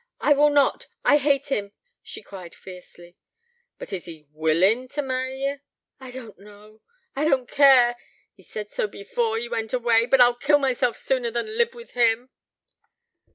'I will not. I hate him!' she cried fiercely. 'But is he willin' t' marry ye?' 'I don't know ... I don't care ... he said so before he went away ... But I'd kill myself sooner than live with him.'